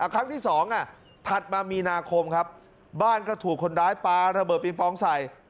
ครั้งที่๒ถัดมามีนาคมครับบ้านก็ถูกคนร้ายปลาระเบิดปิงปองใส่